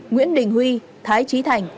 nguyễn đình huy thái trí thành